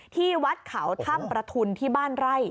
ที่วัดเขาถ้ำประทุนที่บ้านไร่